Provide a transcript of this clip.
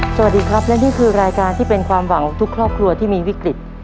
สวัสดีครับและนี่คือรายการที่เป็นความหวังของทุกครอบครัวที่มีวิกฤต